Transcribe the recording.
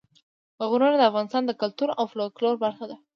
غرونه د افغانستان د کلتور او فولکلور برخه ده.